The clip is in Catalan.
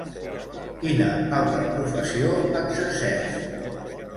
Quina altra professió exerceix?